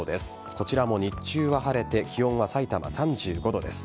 こちらも日中は晴れて気温はさいたま３５度です。